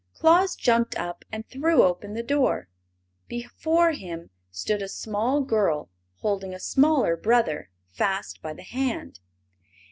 Claus jumped up and threw open the door. Before him stood a small girl holding a smaller brother fast by the hand.